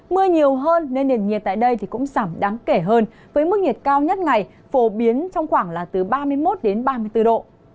mưa nhiều hơn nên nền nhiệt tại đây cũng giảm đáng kể hơn với mức nhiệt cao nhất ngày phổ biến trong khoảng là từ ba mươi một đến ba mươi bốn độ